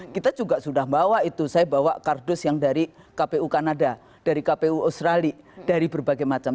kita juga sudah bawa itu saya bawa kardus yang dari kpu kanada dari kpu australia dari berbagai macam